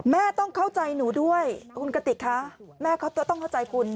แม่ต้องเข้าใจหนูด้วยคุณกติกคะแม่เขาต้องเข้าใจคุณ